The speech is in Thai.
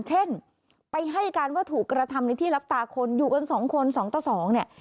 เช่นไปให้การว่าถูกกระทำในที่รับตาคนอยู่กันสองคนสองต่อสองเนี่ย